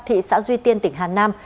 thị xã duy tiên tỉnh hà nam